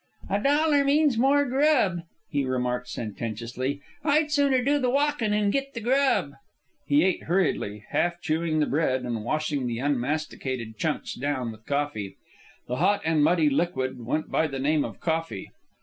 "A dollar means more grub," he remarked sententiously. "I'd sooner do the walkin' an' git the grub." He ate hurriedly, half chewing the bread and washing the unmasticated chunks down with coffee. The hot and muddy liquid went by the name of coffee.